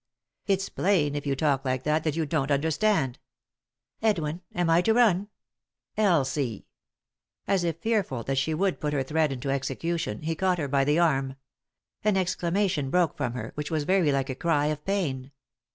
"It's plain, if you talk like that, that you don't understand." " Edwin, am I to run ?"" Elsie !" As if fearful that she would put her threat into execution he caught her by the arm. An exclama tion broke from her, which was very like a cry of pain.